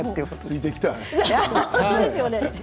ついていきたい。